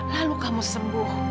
lalu kamu sembuh